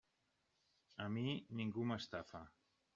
A mi ningú m'estafa.